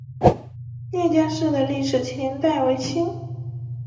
聂家寺的历史年代为清。